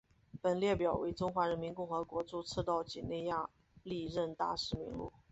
本列表为中华人民共和国驻赤道几内亚历任大使名录。